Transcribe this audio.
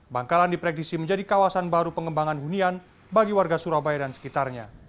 bangkalan diprediksi menjadi kawasan baru pengembangan hunian bagi warga surabaya dan sekitarnya